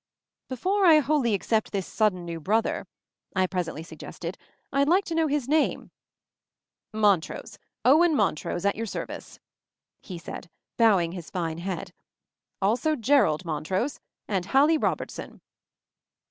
"Before I wholly accept this sudden new MOVING THE MOUNTAIN 67 brother," I presently suggested, "I'd like to know his name." "Montrose — Owen Montrose, at your service," he said, bowing his fine head. "Ateo i Jerrold Montrose — and Hallie Robertson!"